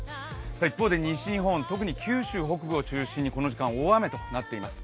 一方で西日本、特に九州北部を中心にこの時間、大雨となっています。